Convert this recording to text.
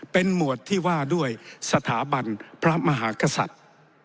เป็นหมวดที่ว่าด้วยสถาบันพระมหากษัตริย์